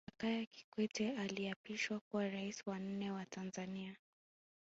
Jakaya Kikwete aliapishwa kuwa Rais wa nne wa Tanzania